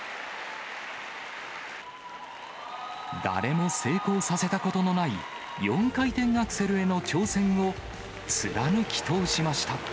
誰も成功させたことのない、４回転アクセルへの挑戦を貫き通しました。